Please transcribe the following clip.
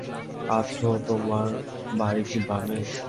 আচ্ছো, তোমার বাড়ি কি বামে?